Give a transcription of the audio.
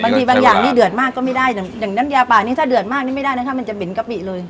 บางทีบางอย่างนี่เดือดมากก็ไม่ได้อย่างน้ำยาป่านี้ถ้าเดือดมากนี่ไม่ได้นะคะมันจะเหม็นกะปิเลย